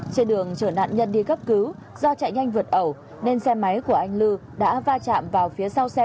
trên đường chở nạn nhân đi cấp cứu do chạy nhanh vượt ẩu nên xe máy của anh lư đã va chạm vào phía sau xe